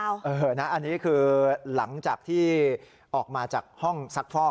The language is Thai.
อันนี้คือหลังจากที่ออกมาจากห้องซักฟอก